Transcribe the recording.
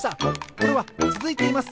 これはつづいています！